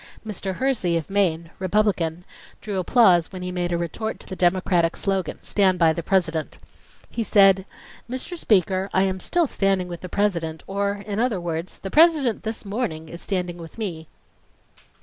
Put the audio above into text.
Mr. Hersey of Maine, Republican, drew applause when he made a retort to the Democratic slogan, "Stand by the President." He said: "Mr. Speaker, I am still 'standing with the President,' or, in other words, the President this morning is standing with me."